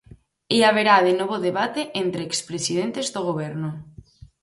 E haberá de novo debate entre expresidentes do Goberno.